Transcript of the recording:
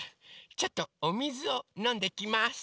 ちょっとおみずをのんできます。